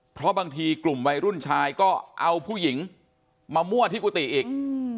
เพราะบางทีกลุ่มวัยรุ่นชายก็เอาผู้หญิงมามั่วที่กุฏิอีก